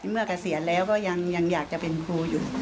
เมื่อเกษียณแล้วก็ยังอยากจะเป็นครูอยู่